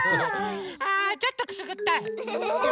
あちょっとくすぐったい。